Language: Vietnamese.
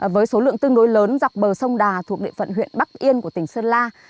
với số lượng tương đối lớn dọc bờ sông đà thuộc địa phận huyện bắc yên của tỉnh sơn la